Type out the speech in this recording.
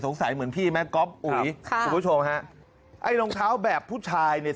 สงสัยเหมือนพี่ไหมก๊อปอุ๋ยสุขุมค์ชมฮะไอ้รองเท้าแบบผู้ชายเนี่ย